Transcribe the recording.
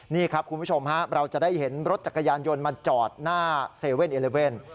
นี่ครับคุณผู้ชมเราจะได้เห็นรถจักรยานยนต์มาจอดหน้า๗๑๑